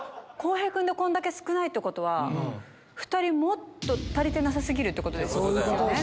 洸平君でこんだけ少ないってことは２人もっと足りてなさ過ぎるってことですよね。